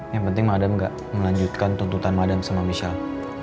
yang penting madam gak melanjutkan tuntutan madam sama michelle